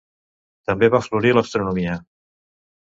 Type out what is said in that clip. També va florir l'astronomia.